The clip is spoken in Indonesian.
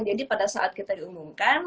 jadi pada saat kita diumumkan